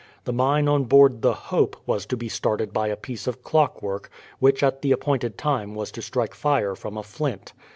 The mine on board the Hope was to be started by a piece of clockwork, which at the appointed time was to strike fire from a flint.